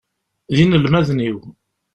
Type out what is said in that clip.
D inelmaden-iw.